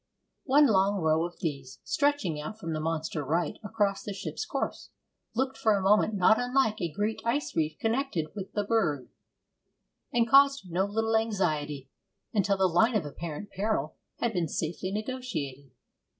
One long row of these, stretching out from the monster right across the ship's course, looked for a moment not unlike a great ice reef connected with the berg, and caused no little anxiety until the line of apparent peril had been safely negotiated.